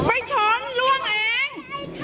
ไปช้อนล่วงเอง